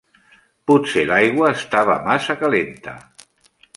Potser l'aigua estava massa calenta.